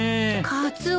カツオ